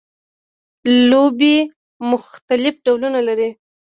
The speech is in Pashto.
لوبیې مختلف ډولونه لري